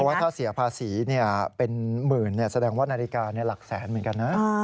ว่าถ้าเสียภาษีเป็นหมื่นแสดงว่านาฬิกาหลักแสนเหมือนกันนะ